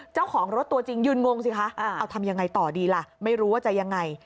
เจ้าของรถตัวจริงยืนงงสิคะเอาทำยังไงต่อดีล่ะไม่รู้ว่าจะยังไง